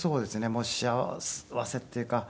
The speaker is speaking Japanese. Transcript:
もう幸せっていうか。